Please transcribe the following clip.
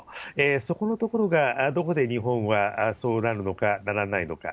そこのところがどこで日本はそうなるのか、ならないのか。